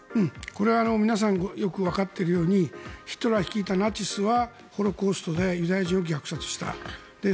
これは皆さんよくわかっているようにヒトラー率いたナチスはホロコーストでユダヤ人を虐殺した。